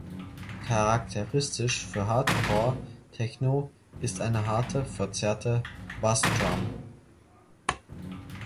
Charakteristisch für Hardcore Techno ist eine „harte“, verzerrte Bassdrum.